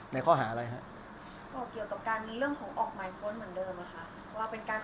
ในข้อหาอะไรครับก็เกี่ยวกับการเรียนเรื่องของออกหมายพ้นเหมือนเดิมหรอครับ